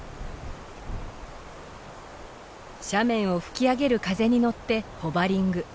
斜面を吹き上げる風に乗ってホバリング。